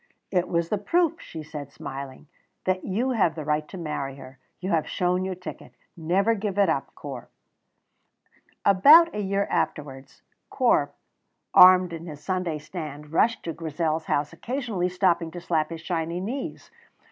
"It was the proof," she said, smiling, "that you have the right to marry her. You have shown your ticket. Never give it up, Corp." About a year afterwards Corp, armed in his Sunday stand, rushed to Grizel's house, occasionally stopping to slap his shiny knees.